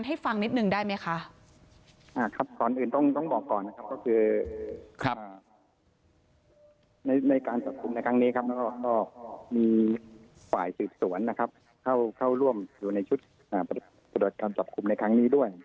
ในการจับคุมในครั้งนี้ครับมีฝ่ายสืบสวนเข้าร่วมอยู่ในชุดประดับการจับคุมในครั้งนี้ด้วย